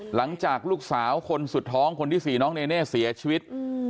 หลังจากลูกสาวคนสุดท้องคนที่๔น้องเนเน่เสียชีวิต